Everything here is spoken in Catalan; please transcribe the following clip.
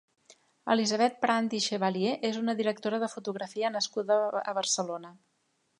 Elisabeth Prandi i Chevalier és una directora de fotografia nascuda a Barcelona.